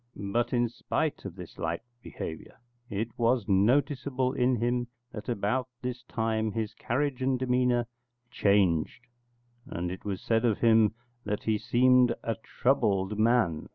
But in spite of this light behaviour, it was noticeable in him that about this time his carriage and demeanour changed, and it was said of him that he seemed a troubled man.